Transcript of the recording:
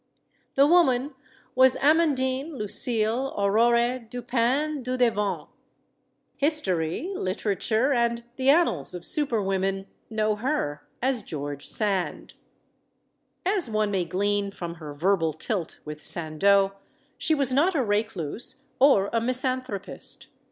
The woman was Amandine Lucile Aurore Dupin Dudevant. History, literature, and the annals of super* women know her as George Sand. GEORGE SAND !>/ As one may glean from her verbal tilt with Sandeau, she was not a recluse or a misanthropist.